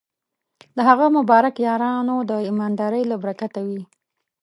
د هغه مبارک یارانو د ایماندارۍ له برکته وې.